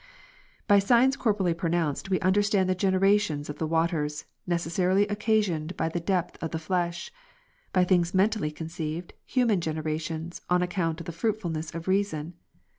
By signs corporeally pronounced we understand the generations of the waters, necessarily occasioned by the depth of the flesh ; by things mentally conceived, human generations, on account of the fruitfuluess of reason.